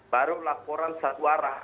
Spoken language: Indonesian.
baru laporan satu arah